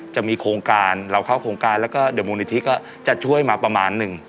จะมีโครงการเราเข้าโครงการแล้วก็เดี๋ยวมูลนิธิก็จะช่วยมาประมาณหนึ่ง